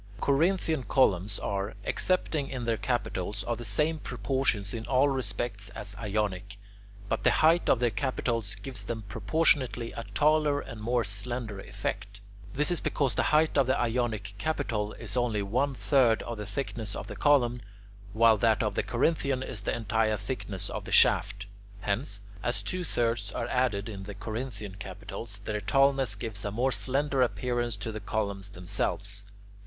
Corinthian columns are, excepting in their capitals, of the same proportions in all respects as Ionic; but the height of their capitals gives them proportionately a taller and more slender effect. This is because the height of the Ionic capital is only one third of the thickness of the column, while that of the Corinthian is the entire thickness of the shaft. Hence, as two thirds are added in Corinthian capitals, their tallness gives a more slender appearance to the columns themselves.